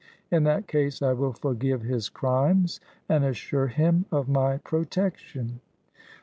In that case I will forgive his crimes, and assure him of my protection."